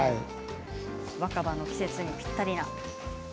若葉の季節にぴったりな。